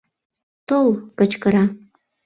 — Тол! — кычкыра.